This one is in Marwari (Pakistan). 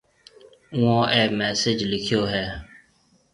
اُوئون اَي مسِج لکيو هيَ۔